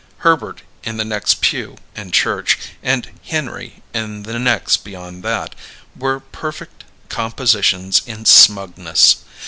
Herbert, in the next pew, in church, and Henry in the next beyond that, were perfect compositions in smugness.